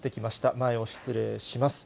前を失礼します。